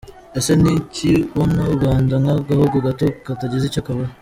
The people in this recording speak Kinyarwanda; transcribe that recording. Isi ntikibona u Rwanda nk’agahugu gato katagize icyo kavuze.